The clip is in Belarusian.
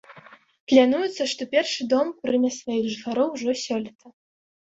Плануецца, што першы дом прыме сваіх жыхароў ужо сёлета.